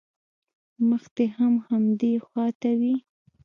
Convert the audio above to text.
مخ دې هم همدې خوا ته وي.